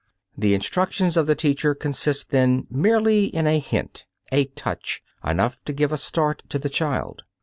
The instructions of the teacher consist then merely in a hint, a touch enough to give a start to the child.